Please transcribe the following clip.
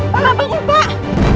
pak bangun pak